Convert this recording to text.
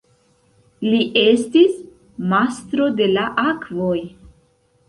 Li estis "Mastro de la akvoj".